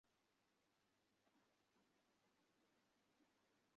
ওই ক্ষেপণাস্ত্র উৎক্ষেপণের বিষয়টি বুধবার রাতে নিশ্চিত করেছে দক্ষিণ কোরিয়া এবং জাপান।